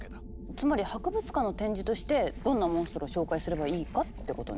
つまり博物館の展示としてどんなモンストロを紹介すればいいかってことね。